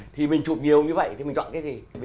thì mình chụp nhiều như vậy thì mình chọn cái gì